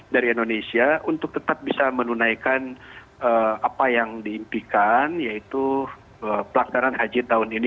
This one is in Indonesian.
dari indonesia untuk tetap bisa menunaikan apa yang diimpikan yaitu pelaksanaan haji tahun ini